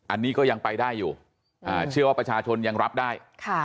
อันนี้ก็ยังไปได้อยู่เชื่อว่าประชาชนยังรับได้